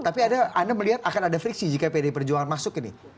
tapi anda melihat akan ada friksi jika pdi perjuangan masuk ini